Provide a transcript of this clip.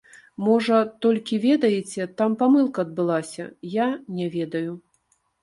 Можа, толькі, ведаеце, там памылка адбылася, я не ведаю.